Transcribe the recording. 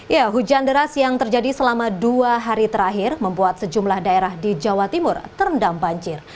ya hujan deras yang terjadi selama dua hari terakhir membuat sejumlah daerah di jawa timur terendam banjir